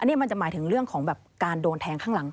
นี่มันจะหมายถึงเรื่องของแบบการโดนแทงข้างหลัง